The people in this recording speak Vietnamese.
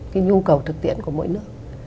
với nhu cầu thực tiện của mỗi nước